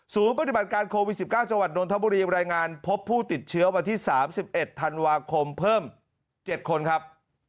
ปฏิบัติการโควิด๑๙จังหวัดนทบุรีรายงานพบผู้ติดเชื้อวันที่๓๑ธันวาคมเพิ่ม๗คนครับ